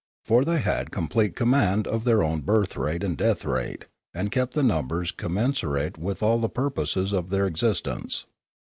For they had complete command of their own birth rate and death rate, and kept the numbers commensurate with all the purposes of their existence.